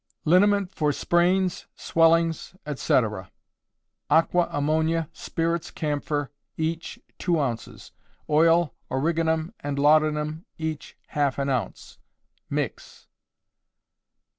Liniment for Sprains, Swellings, etc. Aqua ammonia, spirits camphor, each, two ounces; oil origanum and laudanum, each, half an ounce. Mix.